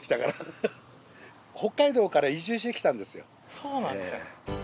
そうなんですね。